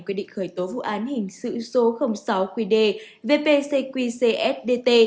quy định khởi tố vụ án hình sự số sáu qd vpcqcsdt